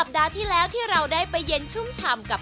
อร่อยเหมือนกันทุกอย่างครับ